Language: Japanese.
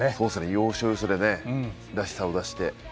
要所要所でらしさを出して。